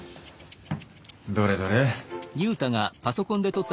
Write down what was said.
どれどれ。